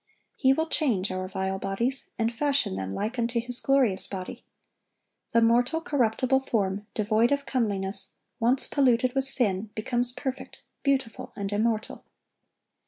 He will change our vile bodies, and fashion them like unto His glorious body. The mortal, corruptible form, devoid of comeliness, once polluted with sin, becomes perfect, beautiful, and immortal.